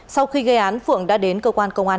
sau khi gây án phượng đã đến cơ quan công an